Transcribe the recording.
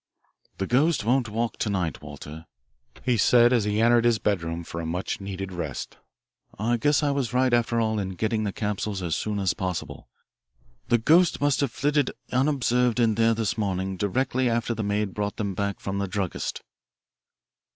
"The ghost won't walk to night, Walter," he said as he entered his bedroom for a much needed rest. "I guess I was right after all in getting the capsules as soon as possible. The ghost must have flitted unobserved in there this morning directly after the maid brought them back from the druggist."